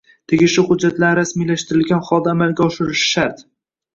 tegishli hujjatlarni rasmiylashtirilgan holda amalga oshirilishi shart.